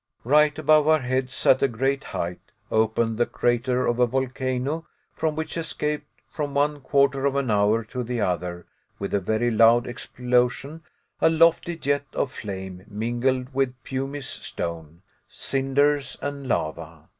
Right above our heads, at a great height, opened the crater of a volcano from which escaped, from one quarter of an hour to the other, with a very loud explosion, a lofty jet of flame mingled with pumice stone, cinders, and lava.